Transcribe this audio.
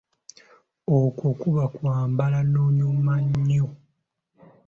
Okwo kuba okwambala n'onyuma nnyo.